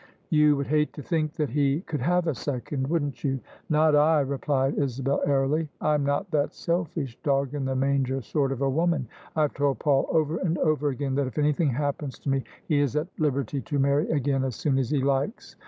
" You would hate to think that he could have a second, wouldn't you?" "Not I," replied Isabel airily. "I'm not that selfish, dog in the manger sort of a woman! I've told Paul over and over again that if anything happens to me he is at liberty to marry again as soon as he likes.